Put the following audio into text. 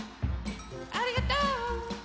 ありがとう！